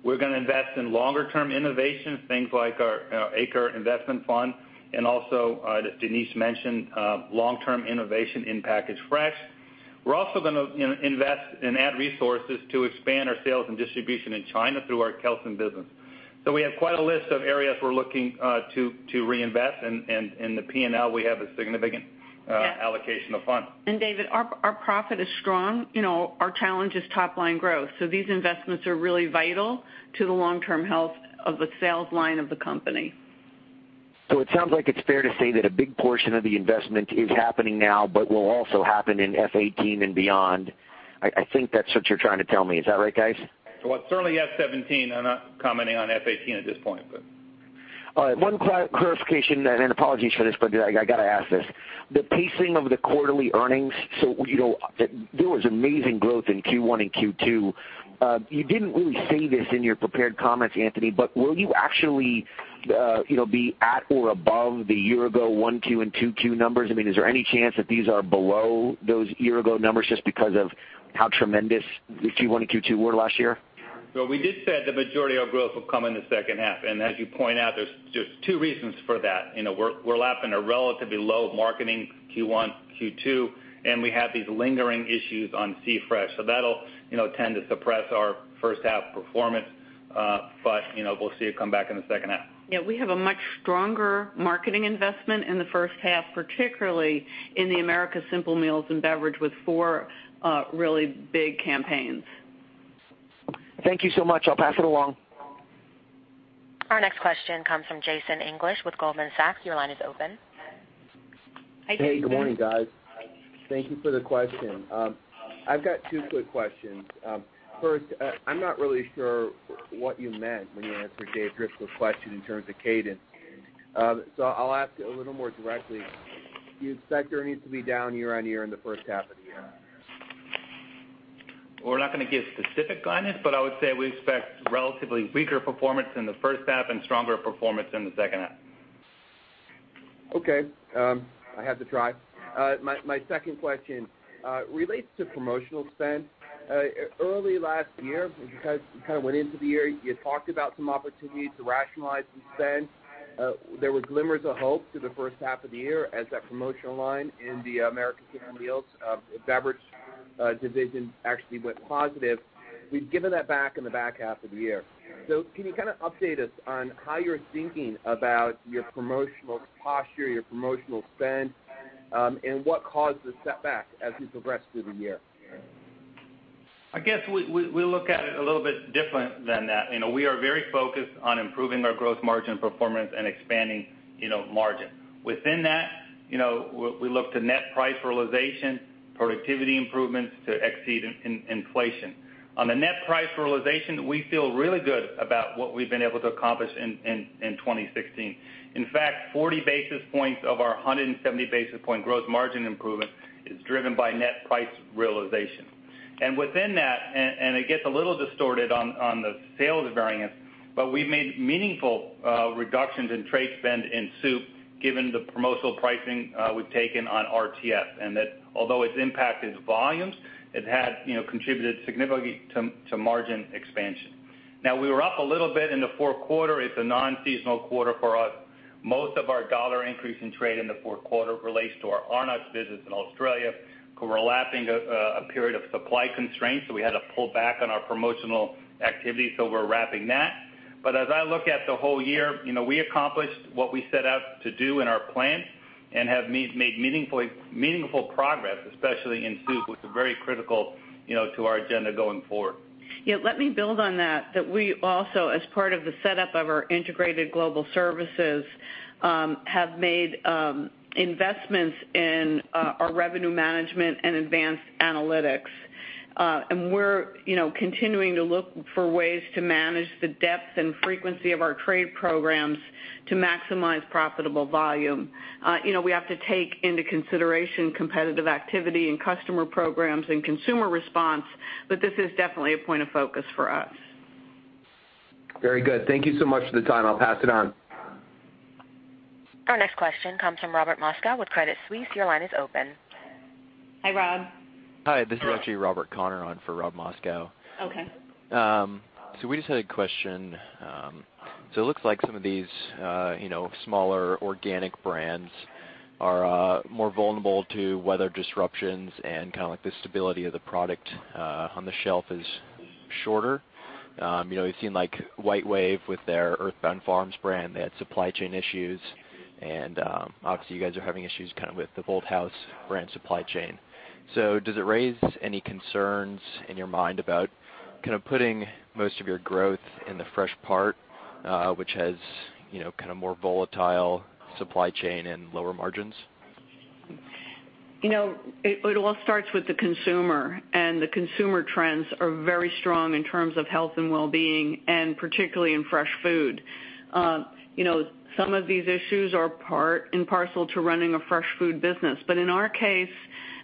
We're going to invest in longer-term innovations, things like our ACRE investment fund, and also, Denise mentioned, long-term innovation in packaged fresh. We're also going to invest and add resources to expand our sales and distribution in China through our Kelsen business. We have quite a list of areas we're looking to reinvest, and in the P&L, we have a significant allocation of funds. David, our profit is strong. Our challenge is top-line growth. These investments are really vital to the long-term health of the sales line of the company. It sounds like it's fair to say that a big portion of the investment is happening now, but will also happen in FY 2018 and beyond. I think that's what you're trying to tell me. Is that right, guys? Well, it's certainly FY 2017. I'm not commenting on FY 2018 at this point. All right. One clarification, apologies for this, but I've got to ask this. The pacing of the quarterly earnings, there was amazing growth in Q1 and Q2. You didn't really say this in your prepared comments, Anthony, will you actually be at or above the year-ago Q1 and Q2 numbers? Is there any chance that these are below those year-ago numbers just because of how tremendous the Q1 and Q2 were last year? We did say the majority of our growth will come in the second half. As you point out, there's 2 reasons for that. We're lapping a relatively low marketing Q1, Q2, and we have these lingering issues on C-Fresh. That'll tend to suppress our first half performance. We'll see it come back in the second half. We have a much stronger marketing investment in the first half, particularly in the Americas Simple Meals and Beverages with 4 really big campaigns. Thank you so much. I'll pass it along. Our next question comes from Jason English with Goldman Sachs. Your line is open. Hi, Jason. Hey, good morning, guys. Thank you for the question. I've got two quick questions. First, I'm not really sure what you meant when you answered Dave Driscoll's question in terms of cadence. I'll ask a little more directly. Do you expect your earnings to be down year-over-year in the first half of the year? We're not going to give specific guidance. I would say we expect relatively weaker performance in the first half and stronger performance in the second half. Okay. I had to try. My second question relates to promotional spend. Early last year, as you guys kind of went into the year, you had talked about some opportunities to rationalize some spend. There were glimmers of hope through the first half of the year as that promotional line in the Americas Simple Meals and Beverages division actually went positive. We've given that back in the back half of the year. Can you kind of update us on how you're thinking about your promotional posture, your promotional spend, and what caused the setback as we progress through the year? I guess we look at it a little bit different than that. We are very focused on improving our gross margin performance and expanding margin. Within that, we look to net price realization, productivity improvements to exceed inflation. On the net price realization, we feel really good about what we've been able to accomplish in 2016. In fact, 40 basis points of our 170 basis point gross margin improvement is driven by net price realization. Within that, and it gets a little distorted on the sales variance, but we've made meaningful reductions in trade spend in soup, given the promotional pricing we've taken on RTS. That although its impact is volumes, it has contributed significantly to margin expansion. We were up a little bit in the fourth quarter. It's a non-seasonal quarter for us. Most of our dollar increase in trade in the fourth quarter relates to our Arnott's business in Australia. We're lapping a period of supply constraints, so we had to pull back on our promotional activity, so we're wrapping that. As I look at the whole year, we accomplished what we set out to do in our plan and have made meaningful progress, especially in soup, which is very critical to our agenda going forward. Let me build on that we also, as part of the setup of our Integrated Global Services, have made investments in our revenue management and advanced analytics. We're continuing to look for ways to manage the depth and frequency of our trade programs to maximize profitable volume. We have to take into consideration competitive activity and customer programs and consumer response, but this is definitely a point of focus for us. Very good. Thank you so much for the time. I'll pass it on. Our next question comes from Robert Moskow with Credit Suisse. Your line is open. Hi, Rob. Hi, this is actually Robert Connor on for Rob Moskow. Okay. We just had a question. It looks like some of these smaller organic brands are more vulnerable to weather disruptions and kind of like the stability of the product on the shelf is shorter. We've seen like WhiteWave with their Earthbound Farm brand, they had supply chain issues, and obviously you guys are having issues kind of with the Bolthouse brand supply chain. Does it raise any concerns in your mind about kind of putting most of your growth in the fresh part, which has kind of more volatile supply chain and lower margins? The consumer trends are very strong in terms of health and wellbeing, and particularly in fresh food. Some of these issues are part and parcel to running a fresh food business. In our case,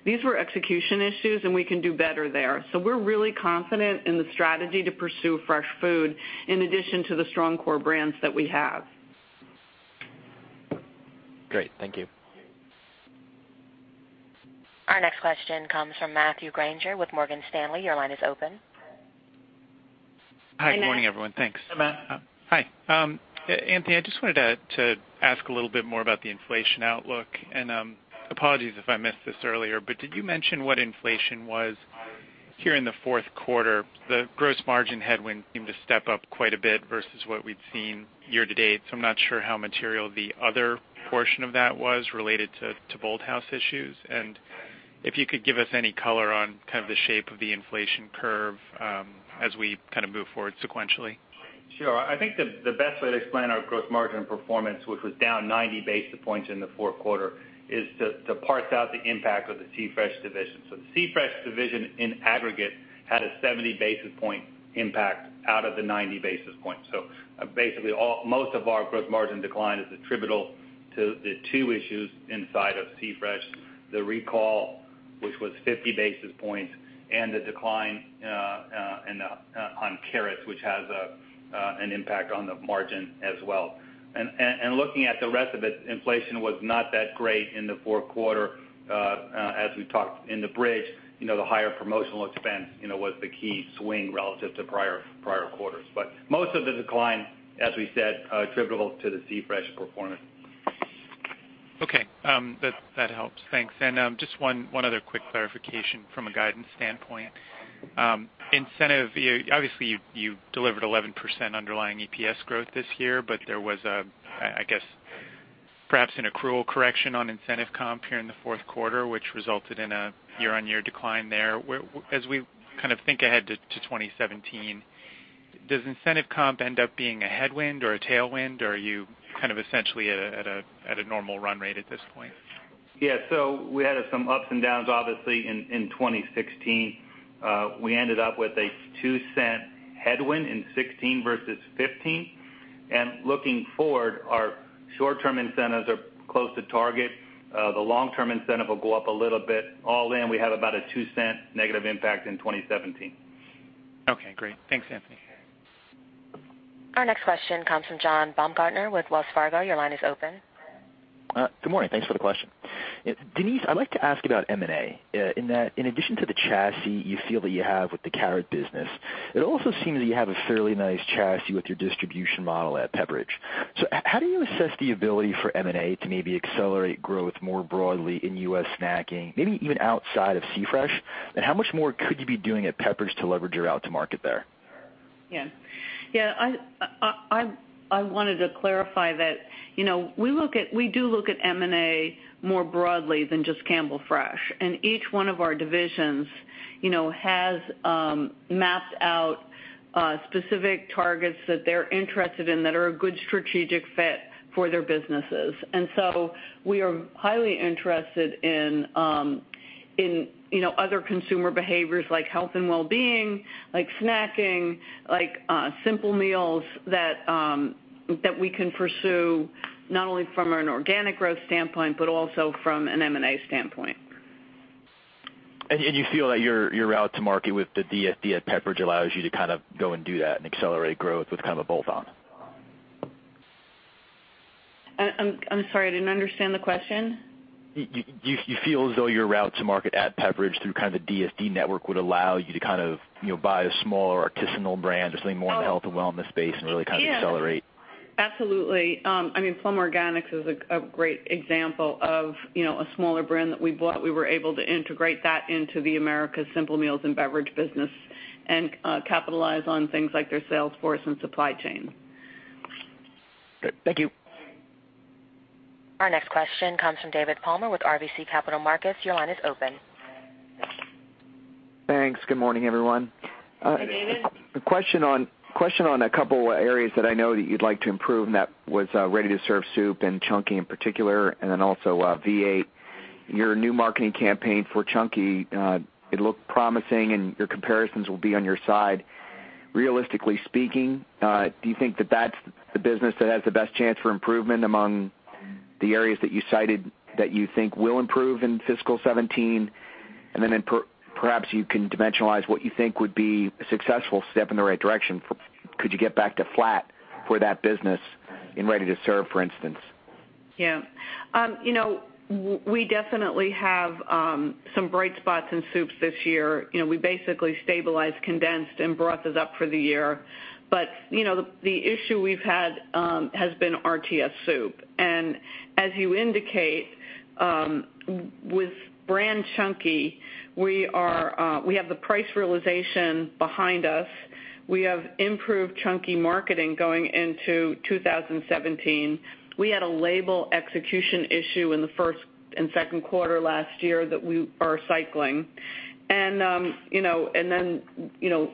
these were execution issues, and we can do better there. We're really confident in the strategy to pursue fresh food in addition to the strong core brands that we have. Great. Thank you. Our next question comes from Matthew Grainger with Morgan Stanley. Your line is open. Hi. Good morning, everyone. Thanks. Hey, Matt. Hi. Anthony, I just wanted to ask a little bit more about the inflation outlook, apologies if I missed this earlier, but did you mention what inflation was here in the fourth quarter? The gross margin headwind seemed to step up quite a bit versus what we'd seen year to date, I'm not sure how material the other portion of that was related to Bolthouse issues. If you could give us any color on kind of the shape of the inflation curve as we move forward sequentially. Sure. I think the best way to explain our gross margin performance, which was down 90 basis points in the fourth quarter, is to parse out the impact of the C-Fresh division. The C-Fresh division in aggregate had a 70 basis point impact out of the 90 basis points. Basically, most of our gross margin decline is attributable to the two issues inside of C-Fresh, the recall, which was 50 basis points, and the decline on carrots, which has an impact on the margin as well. Looking at the rest of it, inflation was not that great in the fourth quarter, as we talked in the bridge, the higher promotional expense was the key swing relative to prior quarters. Most of the decline, as we said, attributable to the C-Fresh performance. Okay. That helps. Thanks. Just one other quick clarification from a guidance standpoint. Incentive, obviously you delivered 11% underlying EPS growth this year, there was, I guess, perhaps an accrual correction on incentive comp here in the fourth quarter, which resulted in a year-on-year decline there. As we kind of think ahead to 2017, does incentive comp end up being a headwind or a tailwind, or are you kind of essentially at a normal run rate at this point? Yeah, we had some ups and downs, obviously, in 2016. We ended up with a $0.02 headwind in 2016 versus 2015. Looking forward, our short-term incentives are close to target. The long-term incentive will go up a little bit. All in, we have about a $0.02 negative impact in 2017. Okay, great. Thanks, Anthony. Our next question comes from John Baumgartner with Wells Fargo. Your line is open. Good morning. Thanks for the question. Denise, I'd like to ask about M&A, in that in addition to the chassis you feel that you have with the carrot business, it also seems that you have a fairly nice chassis with your distribution model at Pepperidge. How do you assess the ability for M&A to maybe accelerate growth more broadly in U.S. snacking, maybe even outside of C-Fresh? How much more could you be doing at Pepperidge to leverage your route to market there? Yeah. I wanted to clarify that we do look at M&A more broadly than just Campbell Fresh. Each one of our divisions has mapped out specific targets that they're interested in that are a good strategic fit for their businesses. We are highly interested in other consumer behaviors like health and wellbeing, like snacking, like simple meals that we can pursue, not only from an organic growth standpoint, but also from an M&A standpoint. You feel that your route to market with the DSD at Pepperidge allows you to kind of go and do that and accelerate growth with kind of a bolt-on? I'm sorry, I didn't understand the question. Do you feel as though your route to market at Pepperidge through kind of the DSD network would allow you to buy a smaller artisanal brand, or something more in the health and wellness space, and really kind of accelerate? Yeah. Absolutely. Plum Organics is a great example of a smaller brand that we bought. We were able to integrate that into the Americas Simple Meals and Beverages business and capitalize on things like their sales force and supply chain. Good. Thank you. Our next question comes from David Palmer with RBC Capital Markets. Your line is open. Thanks. Good morning, everyone. Hey, David. A question on a couple of areas that I know that you'd like to improve, and that was ready-to-serve soup and Chunky in particular, and also V8. Your new marketing campaign for Chunky, it looked promising, and your comparisons will be on your side. Realistically speaking, do you think that that's the business that has the best chance for improvement among the areas that you cited that you think will improve in fiscal 2017? Then perhaps you can dimensionalize what you think would be a successful step in the right direction. Could you get back to flat for that business in ready-to-serve, for instance? Yeah. We definitely have some bright spots in soups this year. We basically stabilized, condensed, and broths is up for the year. The issue we've had has been RTS soup. As you indicate, with brand Chunky, we have the price realization behind us. We have improved Chunky marketing going into 2017. We had a label execution issue in the first and second quarter last year that we are cycling. Then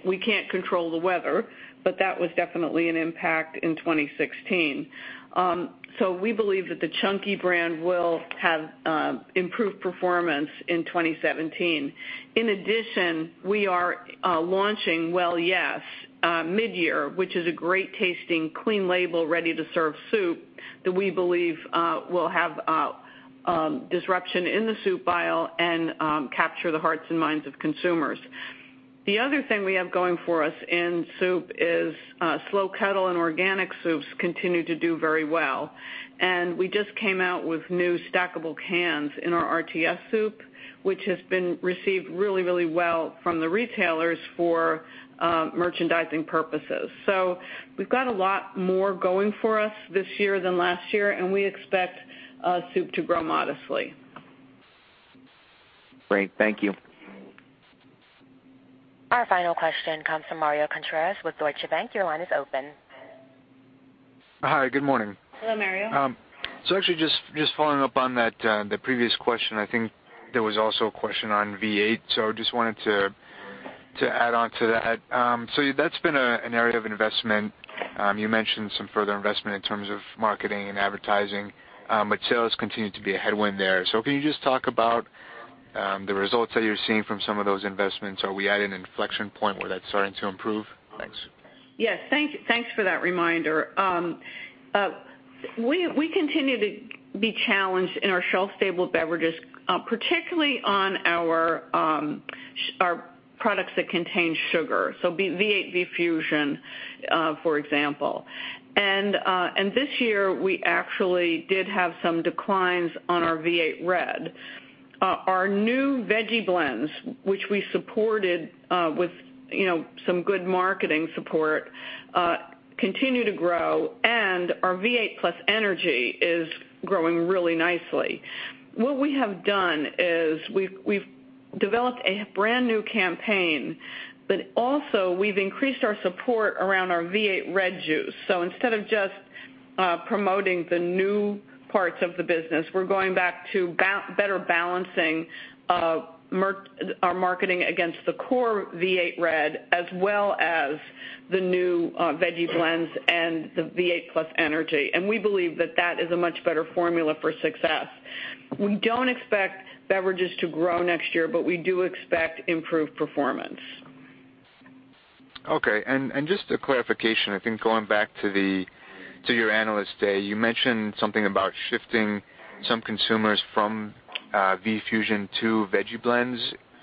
we can't control the weather, but that was definitely an impact in 2016. We believe that the Chunky brand will have improved performance in 2017. In addition, we are launching Well Yes! mid-year, which is a great-tasting, clean label, ready-to-serve soup that we believe will have disruption in the soup aisle and capture the hearts and minds of consumers. The other thing we have going for us in soup is Slow Kettle and organic soups continue to do very well, and we just came out with new stackable cans in our RTS soup, which has been received really, really well from the retailers for merchandising purposes. We've got a lot more going for us this year than last year, and we expect soup to grow modestly. Great. Thank you. Our final question comes from Mario Contreras with Deutsche Bank. Your line is open. Hi, good morning. Hello, Mario. actually just following up on the previous question, I think there was also a question on V8, I just wanted to add on to that. That's been an area of investment. You mentioned some further investment in terms of marketing and advertising, sales continue to be a headwind there. Can you just talk about the results that you're seeing from some of those investments? Are we at an inflection point where that's starting to improve? Thanks. Yes. Thanks for that reminder. We continue to be challenged in our shelf-stable beverages, particularly on our products that contain sugar. V8 V-Fusion, for example. This year, we actually did have some declines on our V8 Red. Our new Veggie Blends, which we supported with some good marketing support, continue to grow, our V8 +Energy is growing really nicely. What we have done is we've developed a brand-new campaign, also we've increased our support around our V8 Red juice. Instead of just promoting the new parts of the business, we're going back to better balancing our marketing against the core V8 Red, as well as the new Veggie Blends and the V8 +Energy. We believe that that is a much better formula for success. We don't expect beverages to grow next year, we do expect improved performance. Okay. Just a clarification, I think going back to your Analyst Day, you mentioned something about shifting some consumers from V-Fusion to Veggie Blends.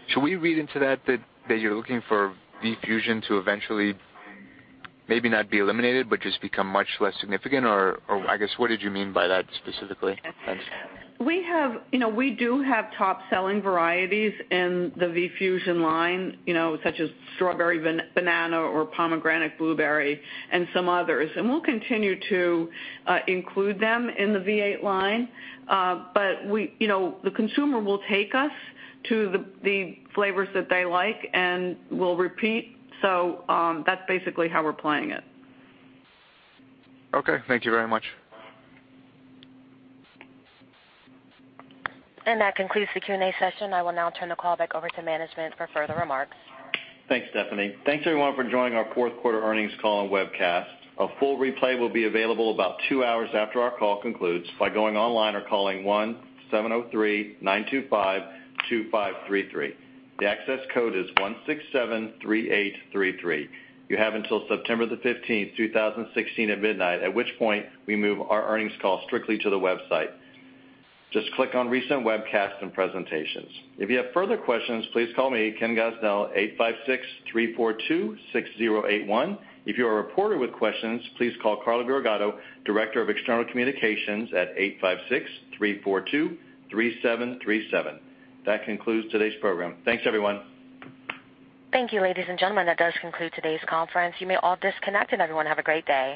Should we read into that you're looking for V-Fusion to eventually maybe not be eliminated, just become much less significant? I guess, what did you mean by that specifically? Thanks. We do have top-selling varieties in the V-Fusion line, such as strawberry banana or pomegranate blueberry and some others. We'll continue to include them in the V8 line. The consumer will take us to the flavors that they like and will repeat. That's basically how we're playing it. Okay. Thank you very much. That concludes the Q&A session. I will now turn the call back over to management for further remarks. Thanks, Stephanie. Thanks, everyone, for joining our fourth quarter earnings call and webcast. A full replay will be available about two hours after our call concludes by going online or calling 1-703-925-2533. The access code is 1673833. You have until September the 15th, 2016, at midnight, at which point we move our earnings call strictly to the website. Just click on Recent Webcasts and Presentations. If you have further questions, please call me, Ken Gosnell, 856-342-6081. If you are a reporter with questions, please call Carla Burigatto, Director of External Communications, at 856-342-3737. That concludes today's program. Thanks, everyone. Thank you, ladies and gentlemen. That does conclude today's conference. You may all disconnect, and everyone have a great day.